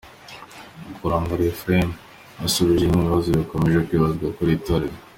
Karuranga Ephraïm, yasubije bimwe mu bibazo bikomeje kwibazwa kuri iri torero.